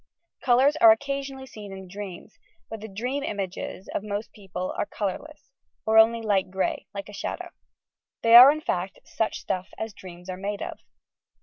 Colours are occasionally seen in dreams, but the dream images of most people are colour less, or only light grey, tike a shadow. They are in fact, "such stuff as dreams are made of."